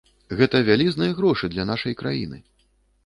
Гэта вялізныя грошы для нашай краіны!